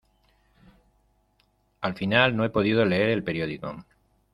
Al final no he podido leer el periódico.